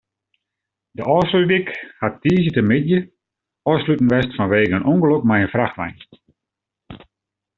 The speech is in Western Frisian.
De Ofslútdyk hat tiisdeitemiddei ôfsletten west fanwegen in ûngelok mei in frachtwein.